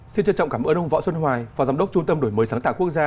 xin trân trọng cảm ơn ông võ xuân hoài phó giám đốc trung tâm đổi mới sáng tạo quốc gia